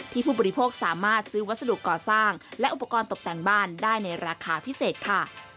ผู้บริโภคสามารถซื้อวัสดุก่อสร้างและอุปกรณ์ตกแต่งบ้านได้ในราคาพิเศษค่ะ